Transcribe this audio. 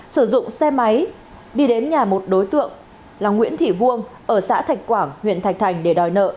sử dụng xe máy đi đến nhà một đối tượng là nguyễn thị vuông ở xã thạch quảng huyện thạch thành để đòi nợ